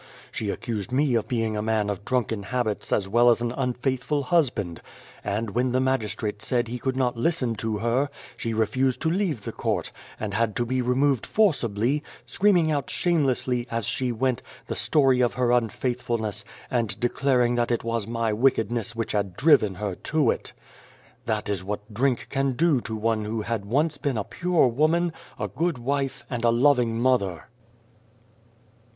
She accused me of 116 Beyond the Door being a man of drunken habits as well as an unfaithful husband, and when the magistrate said he could not listen to her, she refused to leave the court, and had to be removed forcibly, screaming out shamelessly, as she went, the story of her unfaithfulness, and declaring that it was my wickedness which had driven her to it. "' That is what drink can do to one who had once been a pure woman, a good wife, and a loving mother.'